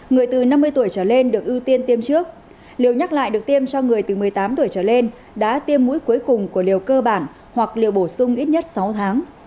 người từ năm mươi tuổi trở lên được ưu tiên tiêm trước liều nhắc lại được tiêm cho người từ một mươi tám tuổi trở lên đã tiêm mũi cuối cùng của liều cơ bản hoặc liều bổ sung ít nhất sáu tháng